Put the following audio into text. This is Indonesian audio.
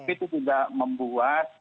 itu tidak membuat